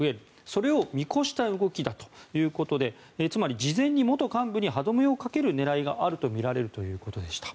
それを見越した動きだということでつまり事前に元幹部に歯止めをかける狙いがあるとみられるということでした。